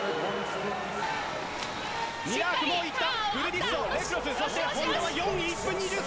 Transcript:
ミラーク、もういった。